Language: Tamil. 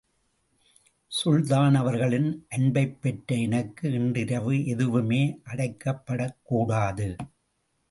சுல்தான் அவர்களின் அன்பைப் பெற்ற எனக்கு இன்றிரவு எதுவுமே அடைக்கப்படக் கூடாது.